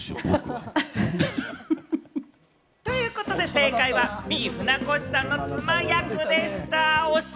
正解はＢ、船越さんの妻役でした。